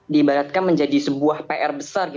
diibaratkan menjadi sebuah pr besar